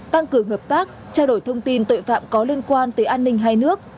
tăng cường hợp tác trao đổi thông tin tội phạm có liên quan tới an ninh hai nước